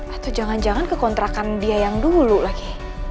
atau jangan jangan ke kontrakan dia yang dulu lagi